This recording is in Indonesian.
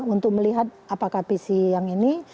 untuk melihat apakah pc yang ini